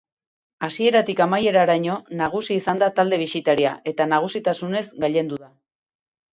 Hasieratik amaieraraino nagusi izan da talde bisitaria eta nagusitasunez gailendu da.